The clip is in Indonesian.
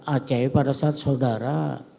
acai pada saat saudara